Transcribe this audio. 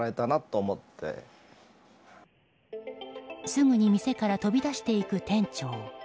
すぐに店から飛び出していく店長。